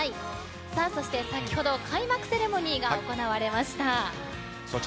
そして、先ほど開幕セレモニーが行われました。